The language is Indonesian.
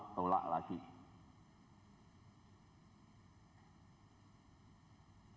kita tolak tolak lagi